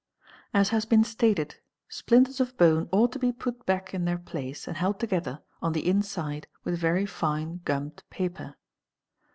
As has been stated, splinters of bone ought to be put back in their place and held together on the inside with very fine gummed paper.